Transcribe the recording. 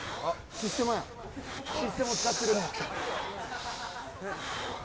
システマ、使ってる。